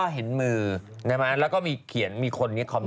โอลี่คัมรี่ยากที่ใครจะตามทันโอลี่คัมรี่ยากที่ใครจะตามทัน